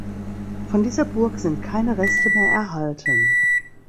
Von dieser Burg sind keine Reste mehr erhalten.